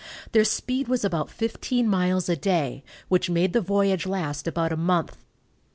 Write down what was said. Their speed was about fifteen miles a day, which made the voyage last about a month.